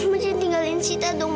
mbak jangan tinggalin sita dong